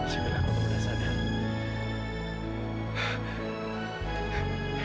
sebelah aku sudah sadar